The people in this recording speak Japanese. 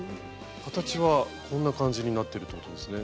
形はこんな感じになってるということですね。